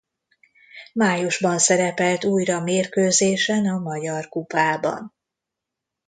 Májusban szerepelt újra mérkőzésen a magyar kupában.